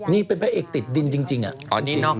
นี่เป็นพระเอกติดดินจริงอะ